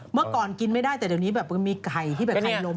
เมื่อก่อนกินไม่ได้แต่ตอนนี้แบบมีไข่ที่แบบไข่ลม